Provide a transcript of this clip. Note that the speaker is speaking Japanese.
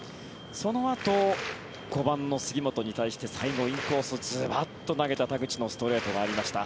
そのあと、５番の杉本に対して最後、インコースズバッと投げた田口のストレートがありました。